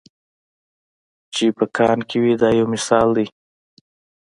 چې په کان کې وي دا یو مثال دی.